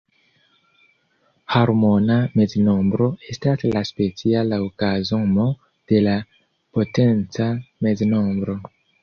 Harmona meznombro estas la speciala okazo "M" de la potenca meznombro.